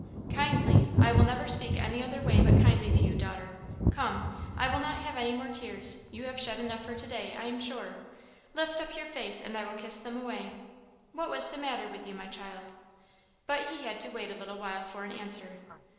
"Kindly! I will never speak any other way but kindly to you, daughter. Come! I will not have any more tears you have shed enough for to day, I am sure; lift up your face, and I will kiss them away. What was the matter with you, my child?" But he had to wait a little while for an answer.